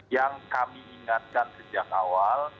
yang kami ingatkan sejak awal